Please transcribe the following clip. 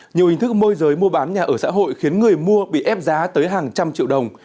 nhiều hình thức môi giới mua bán nhà ở xã hội khiến người mua bị ép giá tới hàng trăm triệu đồng